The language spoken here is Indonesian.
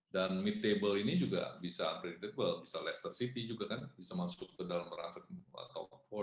dan mid table ini juga bisa lester city juga kan bisa masuk ke dalam rangka ke empat